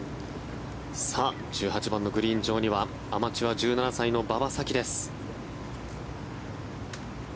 １８番のグリーン上にはアマチュア１７歳の馬場咲希です。